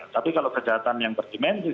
tapi kalau kejahatan yang berdimensi